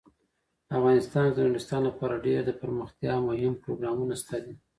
افغانستان کې د نورستان لپاره ډیر دپرمختیا مهم پروګرامونه شته دي.